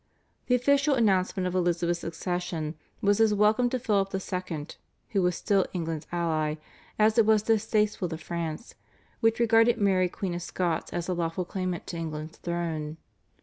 The official announcement of Elizabeth's accession was as welcome to Philip II., who was still England's ally, as it was distasteful to France, which regarded Mary Queen of Scots as the lawful claimant to England's throne.